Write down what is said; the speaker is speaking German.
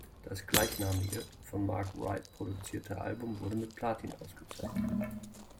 Das gleichnamige, von Mark Wright produzierte Album wurde mit Platin ausgezeichnet.